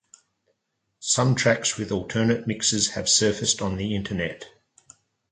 Some tracks with alternate mixes have surfaced on the Internet.